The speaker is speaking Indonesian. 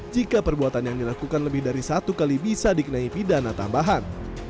jika perbuatan yang dilakukan lebih dari satu kali bisa dikenai pidana tambahan